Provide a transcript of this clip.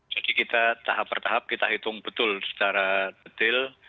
jadi kita tahap tahap kita hitung betul secara detail